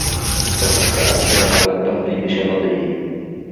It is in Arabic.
فَقَدْ تَعَدَّى عَلَى الدَّهْرِ بِشَطَطِهِ